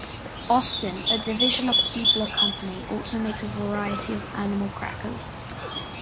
Austin, a division of the Keebler Company, also makes a variety of animal crackers.